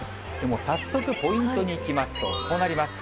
早速、ポイントにいきますとこうなります。